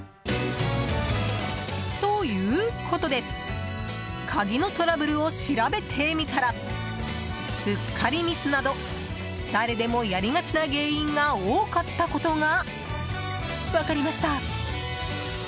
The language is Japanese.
ということで鍵のトラブルを調べてみたらうっかりミスなど誰でもやりがちな原因が多かったことが分かりました。